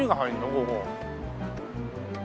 ここ。